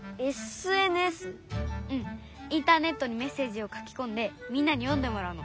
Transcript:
うんインターネットにメッセージを書きこんでみんなに読んでもらうの。